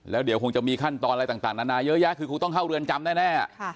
แล้วเดี๋ยวคงจะมีขั้นตอนอะไรต่างนานาเยอะแยะคือคงต้องเข้าเรือนจำแน่